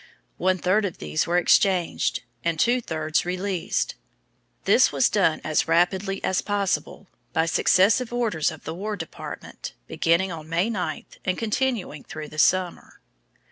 One third of these were exchanged, and two thirds released. This was done as rapidly as possible by successive orders of the War Department, beginning on May 9 and continuing through the summer.